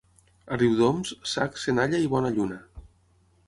A Riudoms, sac, senalla i bona lluna.